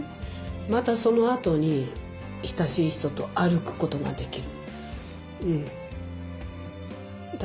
またそのあとに親しい人と歩くことができる。